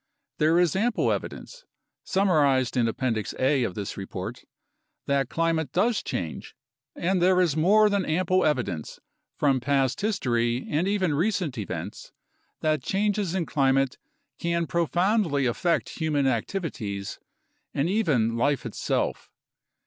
There is ample evidence, summarized in Appendix A of this report, that climate does change, and there is more than ample evidence from past history and even recent events that changes in climate can profoundly affect human activities and even life itself.